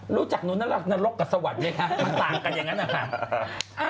รู้จักนู้นนรกกับสวรรค์ไหมคะมันต่างกันอย่างนั้นนะคะ